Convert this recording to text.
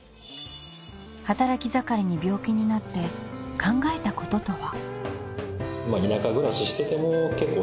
働き盛りに病気になって考えたこととは。